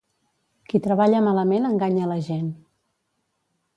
Qui treballa malament, enganya la gent.